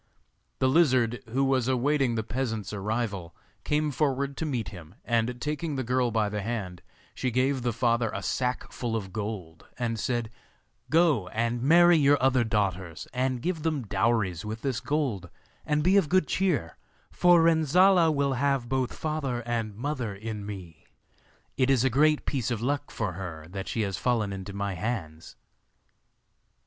The lizard, who was awaiting the peasant's arrival, came forward to meet him, and taking the girl by the hand, she gave the father a sack full of gold, and said: 'Go and marry your other daughters, and give them dowries with this gold, and be of good cheer, for Renzolla will have both father and mother in me; it is a great piece of luck for her that she has fallen into my hands.